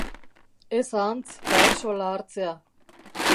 Ez ahantz parasola hartzea!